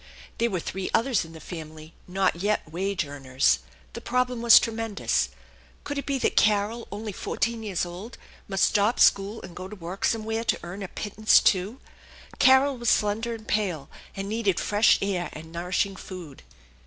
There were three others in the family, not yet wage earners. The problem was tremendous. Could it be that Carol, only four teen years old, must stop school and go to work somewhere to earn a pittance also ? Carol was slender and pale, and needed fresh air and nourishing food.